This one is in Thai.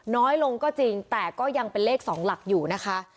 น้อยลงก็จริงแต่ก็ยังเป็นเลข๒หลักอยู่นะคะ